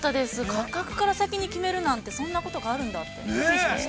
価格から先に決めるとか、そんなことがあるんだとびっくりしました。